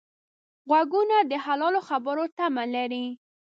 غوږونه د حلالو خبرو تمه لري